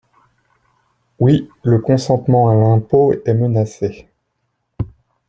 Oui, le consentement à l’impôt est menacé.